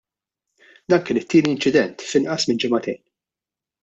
Dan kien it-tieni incident f'inqas minn ġimagħtejn.